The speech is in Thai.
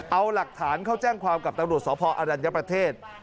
เอาหลักฐานเข้าแจ้งความกับตำรวจสพอรัญญประเทศ